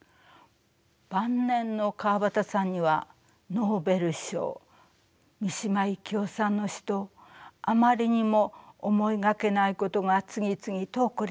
晩年の川端さんにはノーベル賞三島由紀夫さんの死とあまりにも思いがけないことが次々と起こりました。